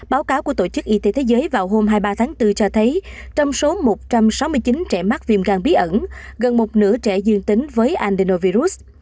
báo cáo của tổ chức y tế thế giới vào hôm hai mươi ba tháng bốn cho thấy trong số một trăm sáu mươi chín trẻ mắc viêm gan bí ẩn gần một nửa trẻ dương tính với andenovirus